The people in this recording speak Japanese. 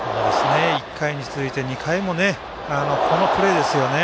１回に続いて２回も、このプレーですよね。